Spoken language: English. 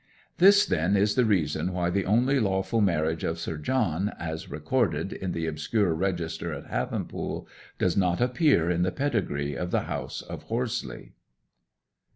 This, then, is the reason why the only lawful marriage of Sir John, as recorded in the obscure register at Havenpool, does not appear in the pedigree of the house of Horseleigh.